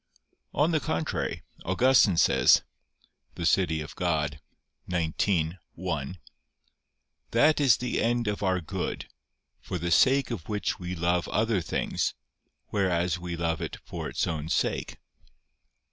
On the contrary, Augustine says (De Civ. Dei xix, 1): "That is the end of our good, for the sake of which we love other things, whereas we love it for its own sake."